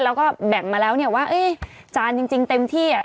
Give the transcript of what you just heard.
แล้วก็แบ่งมาแล้วเนี่ยว่าจานจริงเต็มที่